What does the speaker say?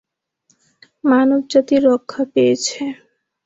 মানবজাতি রক্ষা পেয়েছে।